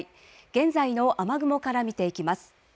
現在の雨雲から見ていきます。